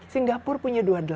singapura punya dua puluh delapan